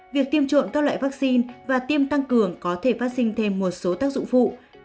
việc tiêm trộn các loại vaccine và tiêm tăng cường có thể phát sinh thêm một số tác dụng phụ